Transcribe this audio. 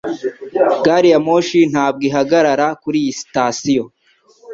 Gariyamoshi ntabwo ihagarara kuri iyo sitasiyo